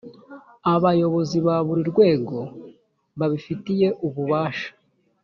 abayobozi ba buri rwego babifitiye ububasha